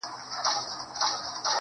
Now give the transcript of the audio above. ه ژوند نه و، را تېر سومه له هر خواهیسه .